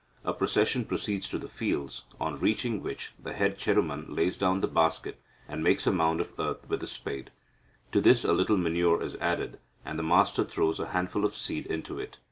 A procession proceeds to the fields, on reaching which the head Cheruman lays down the basket, and makes a mound of earth with the spade. To this a little manure is added, and the master throws a handful of seed into it.